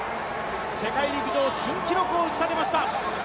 世界陸上新記録を打ちたてました。